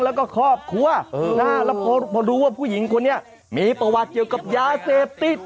แล้วก็ครอบครัวแล้วพอรู้ว่าผู้หญิงคนนี้มีประวัติเกี่ยวกับยาเสพติด